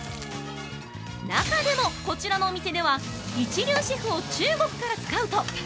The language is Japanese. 中でも、こちらのお店では一流シェフを中国からスカウト！